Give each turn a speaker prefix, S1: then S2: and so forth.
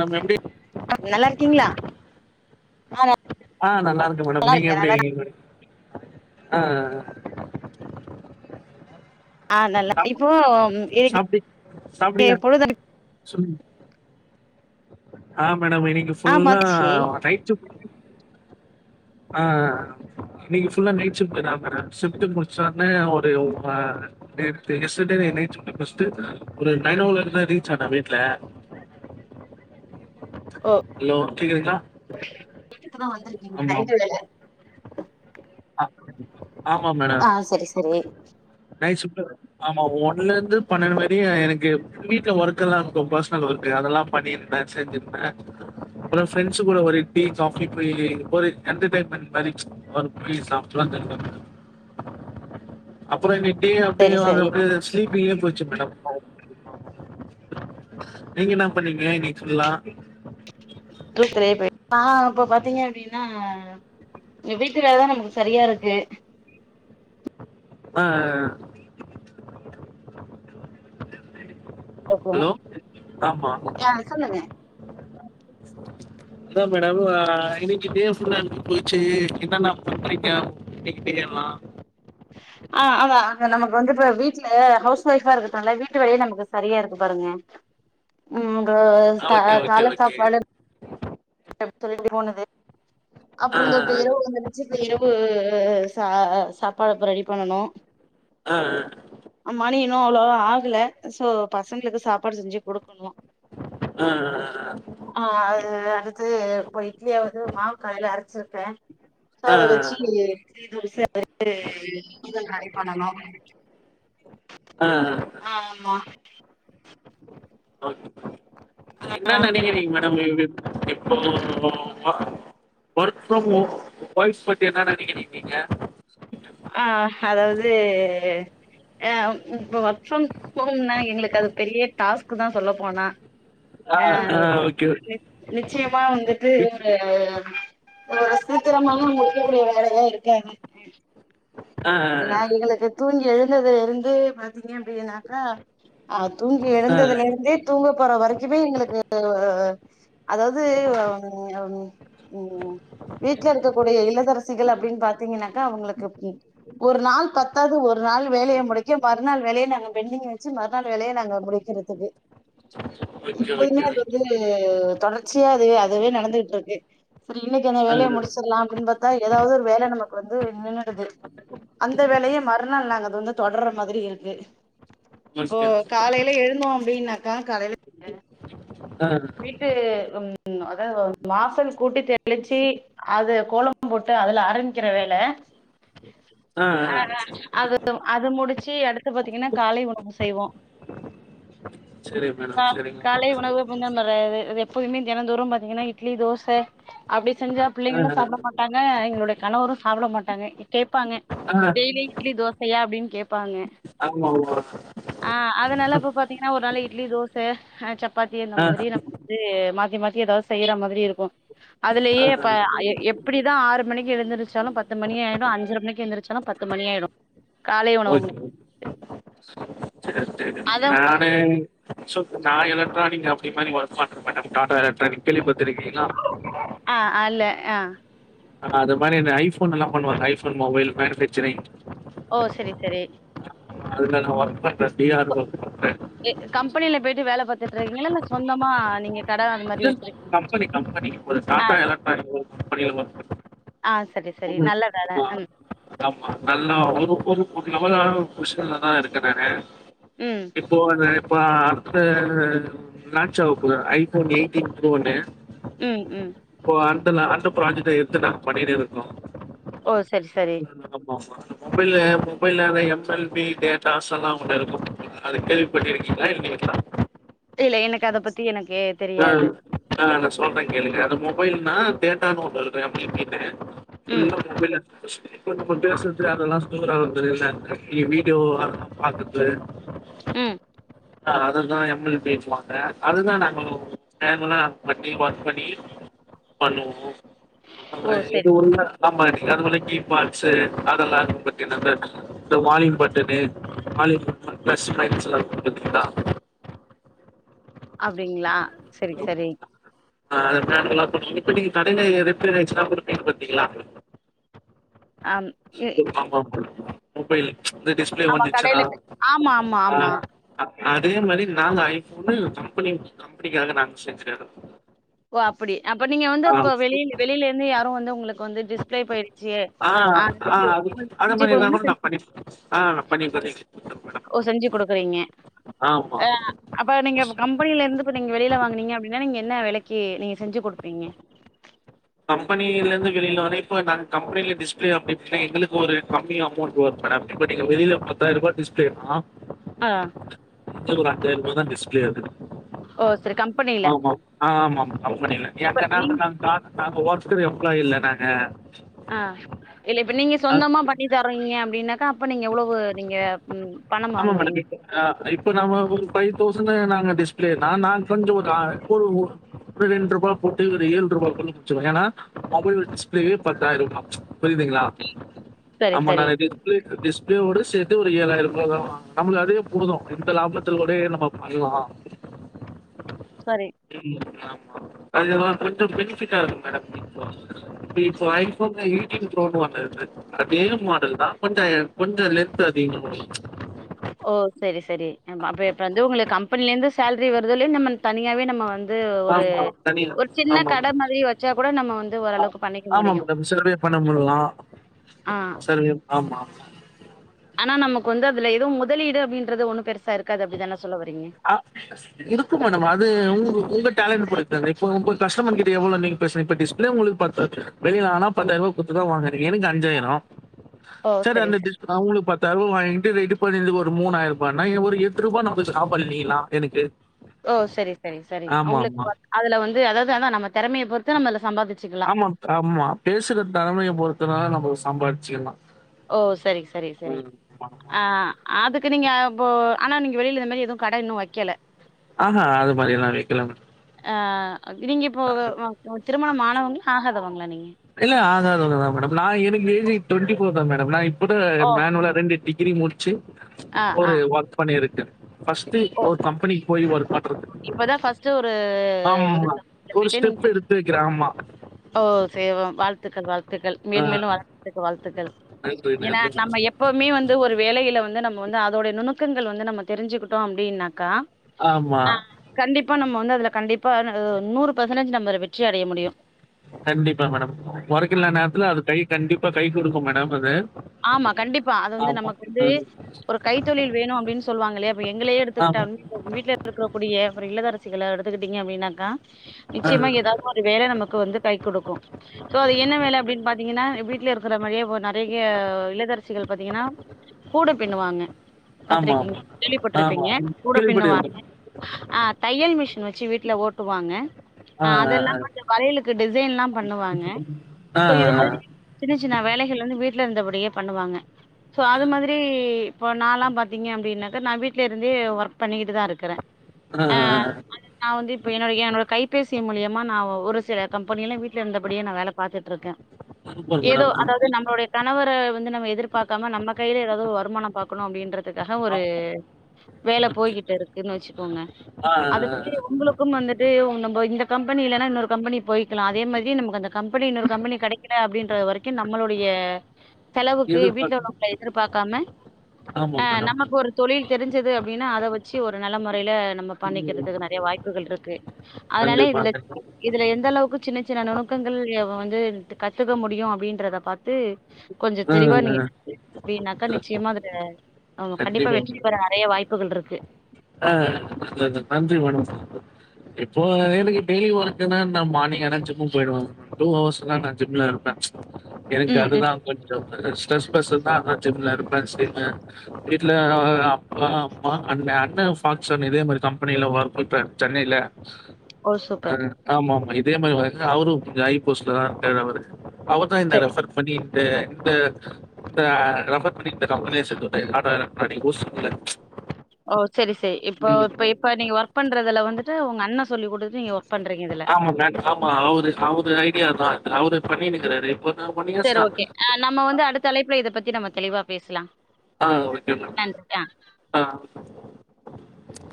S1: நம்ம எப்டி
S2: நல்லாருக்கீங்ளா ஆமா
S1: ஆ நல்லா இருக்க மேடம் நீங்க எப்டி இருக்கிங்க ஆ ஆ
S2: ஆ நல்லார்க்க
S1: சாப்
S2: இப்போ [inaudible]
S1: சொல்லுங் ஆ மேடம் இன்னைக்கு
S2: ஆமா
S1: ஃபுல்லா
S2: ச்சி
S1: நைட் ஷிப்ட் ஆ ஆ ஆ இன்னைக்கு ஃபுல்லா நைட் ஷிப்ட் தா மேடம் ஷிப்ட் முடிச்சா தா ஒரு ஆ நேத்து எஸ்டர்டே நைட்டு ஷிப்ட் ஃபஸ்டு ஒரு நய்னோ கிளாக் தா ரீச் ஆனா வீட்ல ஹலோ கேக்குதுங்களா
S2: போய்ட்டு இப்போத வந்துருக்கீங்க நைட்டு வேல
S1: ஆமா
S2: ஆ
S1: மேடம்
S2: சரி சரி
S1: நைட் ஷிப்ட் ஆமா ஒன்லந்து பணண்டு வரையு எனக்கு வீட்ல ஒர்க்கெல்லா இருக்கு பர்சனல் ஒர்க்கு அதெல்லா பண்ணிருந்த செஞ்சிருந்த அப்றோ ஃப்ரெண்ட்ஸ் கூட ஒரு டீ காஃபி போய் ஒரு என்டர்டைமன் மாரி ஒரு போய் சாப்ட்ரலான்ருந்த மேடம் அப்றோ இனைக் டே அப்டியே
S2: சரி
S1: வந்த
S2: சரி
S1: அப்டியே ஸ்லீப்பிங்லியே போச்சு மேடம் நீங்கென்ன பண்ணீங்க இன்னிக்கு ஃபுல்லா
S2: டு செரியா [unintelligible] இப்ப பாத்தீங்க அப்டினா எ வீட்டு வேலதா நமக்கு சரியா இருக்கு
S1: ஆ ஆ ஆ
S2: டக்கு
S1: ஹலோ? ஆமா.
S2: ஆ சொல்லுங்க
S1: அதா மேடம் ஆ இன்னைக்கு டே ஃபுல்லா போச்சே என்னன்னா பண்றீங்க என்கிட்டயே ஆ
S2: [inaudible] ஆ அதா அங்க நமக்கு வந்து இப்போ வீட்ல ஹவுஸ் ஒய்ஃப் ஆ இருக்கட்டுல்ல வீட்டு வேலையே நமக்கு சரியா இருக்கு பாருங்க உங்க
S1: ஆ
S2: சா
S1: ஓகே, ஓகே,
S2: கால
S1: ஓகே.
S2: சாப்பாடு [unintelligible] திரும்பி போனது
S1: ஆ,
S2: அப்றோ இந்த
S1: ஆ,
S2: இரவு வந்துருச்சி இப்ப இரவு சா சாப்பாடு இப்ப ரெடி பண்ணனு
S1: ஆ ஆ
S2: மணி இன்னு அவ்ளோவா ஆகல சோ பசங்களுக்கு சாப்பாடு செஞ்சி குடுக்கணு
S1: ஆ ஆ ஆ
S2: ஆ அது அடுத்து இப்ப இட்லியாவது மாவு காலைல அரச்சிருப்பே சோ
S1: ஆ ஆ
S2: அத வச்சி இட்லி தோச வந்து [unintelligible] பண்ணனு
S1: ஆ ஆ
S2: ஆ ஆமா
S1: என்ன நெனைக்கிறீங்க மேடம் எப்போ மா ஒர்க் ப்ரம் ஹோம் பாய்ஸ் பத்தி என்ன நெனைக்ரீங் நீங்க
S2: ஆ அதாவது ஆ இப்ப ஒர்க் ஃப்ரம் ஹோம்னா எங்களுக்கு அது பெரிய டாஸ்க் தா சொல்ல போனா ஆ நி நிச்சயமா வந்துட்டு
S1: வித்
S2: ஒரு இவ்ளோ சீக்கிரமாவு ஒரே ஒரு வேலைல இருக்கேன்னு
S1: ஆ
S2: ஏனா
S1: ஆ
S2: எங்களுக்கு தூங்கி எழுந்ததுல இருந்து பாத்தீங்க அப்டினா க ஆ தூங்கி
S1: ஆ
S2: எழுந்ததுலந்தே தூங்க போற வரைக்குமே எங்களுக்கு அதாவது அ ம் வீட்டுல இருக்கக்க கூடிய இல்லதரசிகள் அப்டின்னு பாத்தீங்கன்னாக்கா அவங்களுக் க்கு ஒரு நாள் பத்தாது ஒரு நாள் வேலைய முடிக்க மறுநாள் வேலைய நாங்க பெண்டிங் வ ச்சி மறுநாள் வேலைய நாங்க முடிக்கிறதுக்கு
S1: ஓகே,
S2: எப்பதுமே
S1: ஓகே,
S2: அது
S1: ஓகே.
S2: வந்து ஆ தொடர்ச்சியா அது அதுவே நடந்துகிட்டு இருக்கு சரி இன்னைக்கு அந்த
S1: ஆ ஆ
S2: வேலைய முடிச்சிரலாம் அப்டின்னு பாத் தா ஏதாவது ஒரு வேல நமக்கு வந்து [unintelligible] து அந்த வேலைய மறுநாள் நாங்க அது வந்து தொடர்ற மாரி இருக்கு இப்போ
S1: ஓகே.
S2: காலையில எழுந்தோ அப்டின்னாக்கா காலைல
S1: ஆ
S2: வீட்டு ம் அதாவது வாசல் கூட்டி தெளிச்சு அது கோலம் போட்டு அதுல ஆரம்பிக்கிற வேல ஆ ஆ அது அது முடிச்சு அடுத் து பாத்தீங்கன்னா காலை உணவு செய்வோம்
S1: சரி மேடம்,
S2: கா
S1: சரிங்க.
S2: காலை உணவு [unintelligible] எப்பயுமே தெனந்தோறும் பாத்தீங்கன்னா இட்லி தோச அப்டி செஞ்சா
S1: ஆ
S2: பிள்ளைங்களு சாப்ட மாட்டாங்க எங்களுடைய கணவரு சாப்ட மாட்டாங்க கேப்பாங்க
S1: ஆ ஆ
S2: டெய்லி இட்லி தோசையா அப்டின்னு கேப்பாங்க
S1: ஆமாமா.
S2: ஆ அதனால இப்ப பாத்தீங்கன்னா ஒரு நாள் இட்லி தோசை ஆ சப்பாத்தி இந்த
S1: ஆ
S2: மாதிரி நம் அது மாத்தி மாத்தி ஏதாவது செய்யற மாதிரி இருக்கு
S1: ஆ
S2: அதுலேயே இப்ப எப்டி தா ஆறு மணிக்கு எழுந்திரச்சாலும் பத்து மணி ஆயிடும் அஞ்சர மணிகெழுந்திரச்சாலும் பத்து மணி ஆயிடும்
S1: ஓகே செரி செரி
S2: அத
S1: நானு சோ நா எலக்ட்ரானிக் அப்டி மாரி ஒர்க் பண்ற [unintelligible] கேள்வி பட்டுருக்கீங்களா
S2: ஆ அல்ல ஆ
S1: அது மாரி இந்த ஐபோன் எல்லாம் பண்ணுவாங்க ஐபோன் மொபைல் மேனுபேக்சரிங்
S2: ஓ செரி செரி
S1: அதுனால ஓர்க் பண்ற டி ஆர் [unintelligible]
S2: எ கம்பெனியில போயிட்டு வேல பத்துட்டு இருக்கீங்களா இல்ல சொந்தமா நீங்க கட அது மாரி
S1: இல்ல
S2: வச்சிருக்கீங்
S1: கம்பெனி கம்பெனி ஒரு
S2: ஆ
S1: டாடா எலக்ட்ரானிக் கம்பெனில ஒர்க் பண்ற
S2: ஆ சரி சரி
S1: புது
S2: நல்ல வேல
S1: ஆமா ஆமா நல்லா ஒரு பொறுப்புல்லா லெவல் போசிஸன்ல தா இருக்கேன் நானு
S2: ம்
S1: இப்போ அது இப்ப அடுத்த லான்ச் ஆக போது ஐபோன் எயிட்டீன் புரோ ஒண்ணு
S2: ம் ம்
S1: இப்ப அந்தல அந்த ப்ராஜெக்ட எடுத்து நாங்க பண்ணிட்டு இருக்கோ
S2: ஓ செரி செரி
S1: [unintelligible] ஆமா ஆமா மொபைல்ல மொபைல்லானவே எம்எல்பி டேட்டாஸ்ல்லா ஒண்ணு இருக்கு அது கேள்வி பட்ருகிங்களா இல்லையா
S2: இல்ல எனக்கு அத பத்தி எனக்கு
S1: ஆ.
S2: தெரியாது
S1: ஆ நா சொல்ற கேளுங்க அது மொபைல்ன்னா டேட்டான்னு ஒண்ணு இருக்கு [unintelligible]
S2: ம்
S1: இல்ல மொபைல் [unintelligible] இப்ப நம்ப பேசறது அதெல்லா ஸ்டோர் ஆகுதுலா வீடியோ அதெல்லா பாக்கறது
S2: ம்
S1: ஆ அததா எம் எல் பி ன்னு சொல்லுவாங்க அதுதா நாங்க மேனுவல் ஆ [unintelligible] ஒர்க் பண்ணி பண்ணுவோம்
S2: ஓ
S1: [unintelligible] இது
S2: சரி
S1: உள்ள ஆமா அது உள்ள கீ பாட்ர்ஸ்சு அதெல்லா பத்தி நாங்க இந்த வாலியூம் பட்டனு வாலியூம் ல பிளஸ் மைனஸ்ல இருக்கு பாத்ருக்கிங்களா
S2: அப்டிங்ளா செரி செரி
S1: ஆ [inaudible] இப்பதிக்கி கடையில ரிப்பேர் ஆயிச்சுன்னா குடுப்பீங்க பாத்தீங்ளா
S2: ஆம் இ
S1: ஆமா மொபைல் இந்த டிஸ்ப்ளே
S2: ஆமா
S1: ஒடஞ்சிச்சுன்னா
S2: கடையில போய்- ஆமா ஆமா
S1: ஆ
S2: ஆமா
S1: அதே மாரி நாங்க ஐபோனு கம்பனி கம்பனிக்காக நாங்க செஞ்சி தரோ
S2: ஓ அப்டி அப்ப நீங்க வந்து இப்ப வெளில வெளில இர்ந்து யாரு வந்து உங்ளுக்கு வந்து டிஸ்ப்ளே போயிடுச்சி
S1: ஆ ஆ அது மாரின கூட நா பண்ணிப் ஆ பண்ணி பண்ணி குடுத்துருவேன் மேடம்.
S2: ஓ செஞ்சு குடுக்றீங்க
S1: ஆமா.
S2: அ அப்ப நீங்க கம் கம்பெனில இருந்து இப்ப நீங்க வெளில வாங்குனீங்க அப்டின்னா நீங்க என்ன வெலைக்கு நீங்க செஞ்சு குடுப்பீங்க
S1: கம்பெனில இர்ந்து வெளில வந்து இப்போ நாங்க கம்பெனில டிஸ்ப்ளே அப்டினா எங்களுக்கு ஒரு கம்மி அமொண்ட் [inaudible] மேடம் இப்ப வெளில பத்தாயிர ருபா டிஸ்ப்ளேன
S2: ஆ
S1: இங்க ஒரு அஜ்ஜாயிர ரூவதா டிஸ்ப்ளே ஆவுது
S2: ஓ சரி கம்பெனில
S1: ஆமா ஆமா ஆமா கம்பெனில
S2: இப்ப
S1: எந்த
S2: நீங்
S1: நேரத்துல நாங்க ஒர்க்ஸ்ரு எம்ப்ளாயி இல்ல நாங்க
S2: ஆ இல்ல இப்ப நீங்க சொந்தமா பண்ணி தாரிங்க அப்டின்னாக்கா அப்ப நீங்க எவ்ளோவு நீங்க ம் பணம்
S1: ஆமா மேடம்
S2: வாங்குவீங்க
S1: இப்ப ஆ இப்ப நம்ம ஒரு ஃபைவ் தௌசண்னு நாங்க டிஸ்ப்ளேன நாங் கொஞ்சோ ஒரு ஒரு ரெண்டு ரூபா போட்டு ஒரு ஏழ்ட் ரூபா குள்ள முச்சுருவ ஏனா மொபைல் டிஸ்ப்ளேவே பத்தாய்ர ருபா புரிதுங்ளா
S2: சரி
S1: ஆமா நா
S2: சரி
S1: டிஸ்ப்ளே டிஸ்ப்ளே ஓட சேத்து ஒரு ஏழாயிரம் அவ்ளோதா வாங்குவ நம்மளு அதுவே போது இந்த லாபத்லோடயே நம்ம பண்லா
S2: சரி
S1: ம் ஆமா அது கொஞ்சோ பெனிஃபிட்ட இருக்கு மேடம் இப்போ இப்போ ஐபோன் ல எய்ட்டின் ப்ரோனுவாங்க அந்த அதே மாடல் தா கொஞ்ச கொஞ்ச லெந்த் அதிகம
S2: ஓ செரி செரி அப்ப இப்ப வந்து உங்ளுக்கு கம்பெனில இந்து ஸேல்ரி வர்தோ இல்லயோ நம்ம தனியாவே நம்ம வந் து ஒரு
S1: ஆமா. தனியா
S2: ஒரு சின்ன
S1: ஆமா.
S2: கட மாதிரி வச்சா கூட நம்ம வந்து
S1: ஆ
S2: ஓரளவுக்கு பண்ணிக்க
S1: ஆமா
S2: முடியு
S1: மேடம். சர்வே பண்ண முட்லா
S2: ஆ
S1: செரி ஆமா
S2: அனா நமக்கு வந்து அதுல எதுவு முதலீடு அப்டின்றது ஒண்ணு பெருசா இருக்காது அப்டி தான சொல்ல வரீங்க
S1: ஆ இருக்கு மேடம் நம்ம அது உங்க உங்க டேலன்ட் பொறுத்து இப்போ உங்க கஸ்டமர் கிட்ட எவ்ளோ இன்னிக்கு பேஸ் இப்ப டிஸ்ப்ளே உங்களுக் பத்து வெளிலா அனா பத்தாயிர ருவா குட்த்துதா வாங்றீங்க எனக்கு அஞ்சாயிரோ
S2: ஓ
S1: செரி
S2: சரி
S1: அந்த
S2: சரி
S1: டிஸ் அவுங்களு பத்தாயிர ருவா வாங்கிட்டு ரெடி பண்ணிதுக்கு ஒரு மூணாயிர ருபா நா ஒரு எட் ருபா நமக்கு இப்ப லாபோ இல்லிங்ளா எனக்கு
S2: ஓ செரி செரி செரி
S1: ஆமாமா.
S2: அவுங்ளுக்கு அதுல வந்து அதாவது அனா நம்ம தெறமைய பொறுத்து நம்ம அதுல சம்பாதி
S1: ஆமா ஆமா பேசுற தெறமைய பொறுத்துதா நம்ம சம்பாத்ச்சுக்லா
S2: ஓ செரி செரி செரி
S1: ஆமா.
S2: ஆ அதுக்கு நீங்க அப்போ ஆனா நீங்க வெளில இந்த மாதிரி எதுவு கட இன்னு வைக்கல
S1: ஆஹ அது மாரிலா வைக்கல
S2: ஆ நீங்க இப்போ திருமணம் ஆனவங்ளா ஆகாதவங்ளா நீங்க
S1: இல்ல ஆகாதவங்கத மேடம் நா எனக்கு ஏஜ் டுவென்டி ஃபோர் தா மேடம் நா இப் பதா
S2: ஓ
S1: மேனுவல ரெண்டு டிகிரி முடிச்சு
S2: ஆ ஆ
S1: ஒரு ஒர்க் பண்ணிருக்க ஃபர்ஸ்டடு
S2: ஓ
S1: ஒரு கம்பெனிக்கு போய் ஒர்க் பாத்துருந்து
S2: இப்பதா ஃபர்ஸ்ட் ஒரு கப்பெனில போய்ட்டு நீங்க
S1: ர்க்குற ஆமா
S2: ஓ செய்வோம் வாழ்த்துக்கள் வாழ்த்துக்கள்
S1: ஆ
S2: மேலு மேலு வளர்ரதுக்கு வாழ்த்துக்கள்
S1: நன்றி, நன்றி
S2: ஏன்னா நம்ம
S1: மேடம்.
S2: எப் எப்போவுமே வந்து ஒரு வேலையில வந்து நம்ம வந்து அதோடைய நுணுக்கங்கள் வந்து நம்ம தெரிஞ்சுக்குட்டோ அப்டின்னாக்கா
S1: ஆமா
S2: ஆ கண்டிப்பா நம்ம வந்து அதுல கண்டிப்பா அதுல நூறு பர்சன்டேஜ் நம்ம வெற்றி அடைய முடியு
S1: கண்டிப்பா மேடம் ஒர்க்கில்லா நேர்த்துல அது கை கண்டிப்பா கை குடுக்கு மேடம் அது
S2: ஆமா கண்டிப்பா அது வந்து
S1: ஆமா.
S2: நமக்கு வந்து
S1: ம்.
S2: ஒரு கை தொழில் வேணு அப்டின்னு சொல்லுவாங்களையா இப்ப எங்களே
S1: ஆமா.
S2: எடுத்துக்கிட்டாலு உங்க வீட்ல இருக்க கூடிய ஒரு இல்லத்தரசிகல எடுத்துக்கிட்டிங்க அப்டின்னாக்கா
S1: ஆ.
S2: நிச்சியமா ஏதாவது ஒரு வேல நம்மக் கு வந்து கை குடுக்கு சோ அது என்ன வேல அப்டின்னு பாத்தீங்கன்னா எ வீட்லே இருக்குற மாரியே நறைய யே இல்லத்தரசிகள் பாத்தீங்ன்னா கூட பின்னுவாங்க
S1: ஆமா,
S2: பாத்துருக்கீங்
S1: ஆமா. ஆமா.
S2: கேள்விப்பட்டிருப்பீங்க கூட பின்னு வாங்க
S1: கேள்விப்பட்டிருக்கேன்.
S2: ஆ தையல் மிஷின் வெச்சு வீட்ல ஓட்டுவாங்க ஆ அதெல்லா [unintelligible] வளையலுக்கு டிசைன்லா பண்ணுவாங்க
S1: ஆ, ஆ. ஆ, ஆ,
S2: சோ இது மாரி
S1: ஆ.
S2: சின்ன சின்ன வேலைகள் வந்து வீட் ட்ல இருந்தபடியே பண்ணுவாங்க சோ அது மாதிரி இப்போ நாலாம் பாத்தீங்க அப்டின்னாக்கா நா வீட்லருந்தே ஒர்க் பண்ணிக்கிட்டு தா இருக்குறே
S1: ஆ ஆ ஆ
S2: நா வந்து இப்போ என்னுடைய என்னோட கைபசியே மூலியமா நா ஒரு சில கம்பெனில வீட்ல இருந்தபடியே நா வேல பாத்துட்டுருக்கே
S1: சூப்பர்
S2: ஏதோ
S1: மேடம்.
S2: அதாவது நம்பளோடைய கணவர வந்து நம்ம எதிர்பார்க்காம நம்ம கையில ஏதாவது வருமான பாக்கணு அப்டின்றத் துக்காக ஒரு
S1: ஆமா.
S2: வேல
S1: ஓகே.
S2: போய்கிட்டு இருக்குன்னு வச்சுக்கோங்க
S1: ஆ, ஆ,
S2: அது வந்து
S1: ஆ.
S2: உங்களுக் கு வந்துட்டு உங் நம்ப இந்த கம்பனி இல்லன்னா இன்னொரு கம்பனி போய்கிலா அதே மாதிரி நமக்கு அந்த கம்பனி இன்னொரு கம்பனி கெடைக் குனு அப்படின்றது வரைக்கு நம்மளுடைய செலவுக்கு வீட்ல
S1: எதிர்பார்த்து
S2: உள்ளவங்கள எதிர்பாக்காம
S1: ஆமா
S2: அ
S1: மேடம்.
S2: நமக்கு ஒரு தொழில் தெரிஞ்சது அப்டின்னா அத வச்சு ஒரு நல்ல மொறையில நம்ம
S1: ம்.
S2: பண்ணிக்கிறதுக்கு நறைய வாய்ப்புகள் இருக்கு அதனால
S1: கண்டிப்பா,
S2: இதுல
S1: கண்டிப்பா.
S2: இதுல எந்த அளவுக்கு சின்ன சின்ன நுணுக்கங்கள் வந்து கத்துக்க முடியு அப்படின்றத பாத்து கொஞ்ச
S1: ஆ,
S2: தெளிவா
S1: ஆ.
S2: நீங் [inaudible] அப்படின்னாக்கா நிச்சயமா அதுல அவுங்க கண்டிப்பா வெற்றி பெற நறைய வாய்ப்புகள் இருக்கு
S1: ஆ த த நன்றி வேணு சார் இப்போ எனக்கு டெய்லி ஒர்க்ன்னா நா மார்னிங் ஆனா ஜிம்முக்கு போயிடுவே டூ ஹர்ஸ் தா நா ஜிம்ல இருப்பே எனக்கு
S2: ம் ம்
S1: அதுதா கொஞ்சோம் ஸ்டர்ஸ் ஸ்ட்ரெஸ் ஸ்டெர்ஸ தா நா ஜிம்ல இருப்பே [unintelligible] வீட்ல அ அப்பா அம்மா அண்ண ன்ன ஃபாக்க்ஷோன் இதே மாரி கம்பெனில ஒர்க் பண்றே சென்னையில
S2: ஓ
S1: அ
S2: சூப்பர்
S1: ஆமா ஆமா இதே மாரி ஒர்க் அவரும் கொஞ்சோ ஹை போஸ்ட்ல தா இருக்காரு அவரு அவர்தா
S2: சரி
S1: என்ன ரெஃபர் பண்ணி இந்த இந்த இந்த ரெஃபர் பண்ணி இந்த கம்பெனியே சேத்துவுட்டா [unintelligible]
S2: ஓ செரி செரி இப்போ இப்ப இப்ப நீ ஒர்க் பண்றதுல வந்துட்டு உங்க அண்ண சொல்லி குடுத்து நீங்க ஒர்க் பண்றீங்க இதுல
S1: ஆமா மேம். ஆமா அவரு அவரு ஐடியா தா அவரு பண்ணின்னுருக்குறாரு இப்போ நான் ஒன்
S2: சேர்
S1: இயர்ஸா
S2: ஓகே ஆ நம்ம வந்து அடுத்த அழைப்புல இத பத்தி நம்ம தெளிவா பேசலா
S1: ஆ ஓகே மேம் ஆ